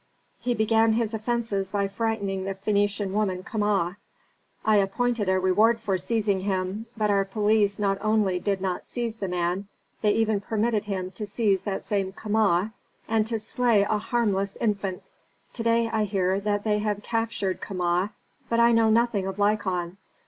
He began his offences by frightening the Phœnician woman Kama. I appointed a reward for seizing him but our police not only did not seize the man, they even permitted him to seize that same Kama and to slay a harmless infant. "To day I hear that they have captured Kama, but I know nothing of Lykon.